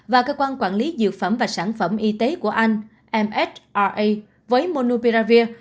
và cơ quan quản lý dược phẩm và sản phẩm y tế của anh msraa với monupiravir